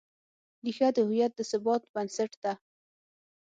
ریښه د هویت د ثبات بنسټ ده.